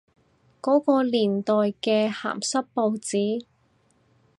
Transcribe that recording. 嗰個年代嘅鹹濕報紙？